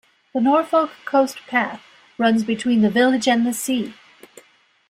The Norfolk Coast Path runs between the village and the sea.